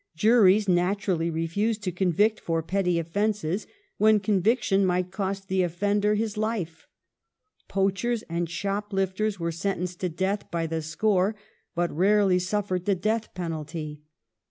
Juries natumlly refused to convict for petty offences, when conviction might cost the off'ender his life. Poachers and shoplifters were sentenced to death by the score, but rarely suffered tlie death j)enalty.